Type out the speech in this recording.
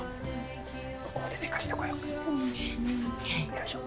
よいしょ。